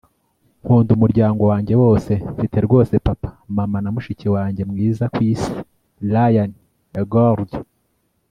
nkunda umuryango wanjye wose. mfite rwose papa, mama, na mushiki wanjye mwiza ku isi. - ryan eggold